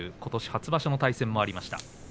初場所の対戦もありました。